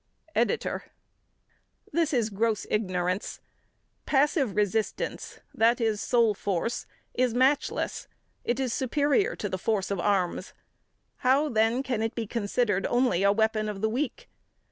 EDITOR: This is gross ignorance. Passive resistance, that is, soul force, is matchless. It is superior to the force of arms. How, then, can it be considered only a weapon of the weak?